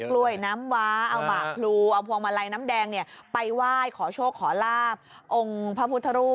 กล้วยน้ำว้าเอาบากพลูเอาพวงมาลัยน้ำแดงเนี่ยไปไหว้ขอโชคขอลาบองค์พระพุทธรูป